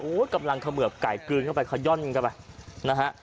โอ้โหกำลังเขมือบไก่กลืนเข้าไปคย่อนกันไปนะฮะ